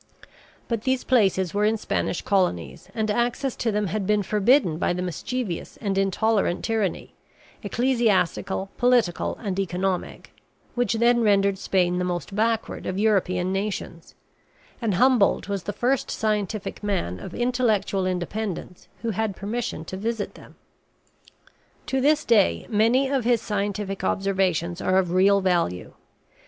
But these places were in Spanish colonies, and access to them had been forbidden by the mischievous and intolerant tyranny ecclesiastical, political, and economic which then rendered Spain the most backward of European nations; and Humboldt was the first scientific man of intellectual independence who had permission to visit them. To this day many of his scientific observations are of real value.